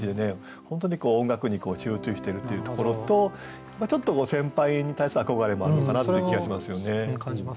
本当に音楽に集中してるっていうところとちょっと先輩に対する憧れもあるのかなっていう気がしますよね。